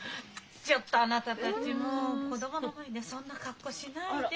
ちょっとあなたたちもう子供の前でそんな格好しないで。